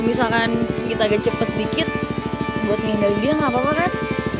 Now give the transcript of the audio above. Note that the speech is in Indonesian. dia akan menghidupkan dirinya dengan kecepatan yang lebih baik